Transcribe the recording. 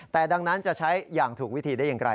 แต่ดังนั้นจะใช้อย่างถูกวิธีได้อย่างไร